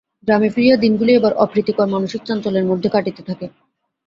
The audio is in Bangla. গ্রামে ফিরিয়া দিনগুলি এবার অপ্রীতিকর মানসিক চাঞ্চল্যের মধ্যে কাটিতে থাকে।